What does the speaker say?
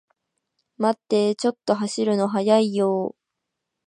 待ってー、ちょっと走るの速いよー